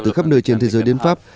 từ khắp nơi trên thế giới đến pháp